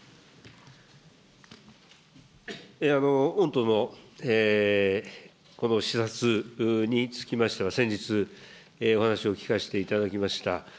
御党のこの視察につきましては、先日、お話を聞かしていただきました。